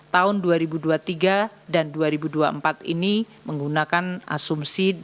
tahun dua ribu dua puluh tiga dan dua ribu dua puluh empat ini menggunakan asumsi